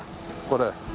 これ。